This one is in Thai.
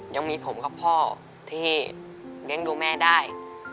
ยังมีผมกับพ่อที่เลี้ยงดูแม่ได้